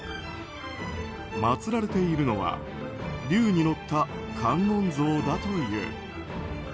まつられているのは竜に乗った観音像だという。